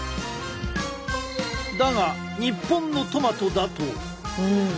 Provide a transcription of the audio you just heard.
だが日本のトマトだと。